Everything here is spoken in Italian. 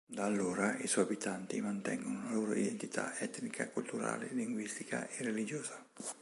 Da allora i suoi abitanti mantengono la loro identità etnica culturale, linguistica e religiosa.